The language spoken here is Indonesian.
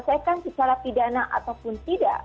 selesaikan secara pidana ataupun tidak